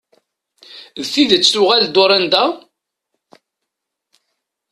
D tidet tuɣal-d Dorenda?